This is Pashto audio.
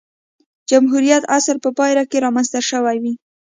جمهوریت عصر په پایله کې رامنځته شوې وې.